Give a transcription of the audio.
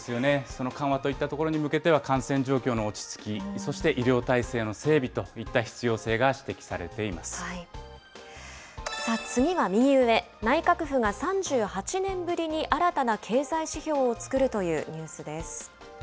その緩和といったところに向けては、感染状況の落ち着き、そして医療体制の整備といった必要性が指摘され次は右上、内閣府が３８年ぶりに新たな経済指標を作るというニュースです。